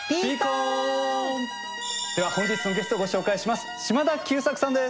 では本日のゲストをご紹介します。